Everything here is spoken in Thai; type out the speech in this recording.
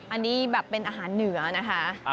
อันนี้แบบเป็นอาหารเหนือนะคะ